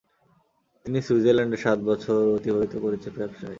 তিনি সুইজারল্যাণ্ডে সাত বছর অতিবাহিত করেছেন ব্যবসায়।